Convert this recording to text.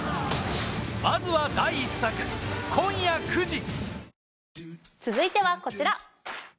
まずは第１作今夜９時続いてはこちら。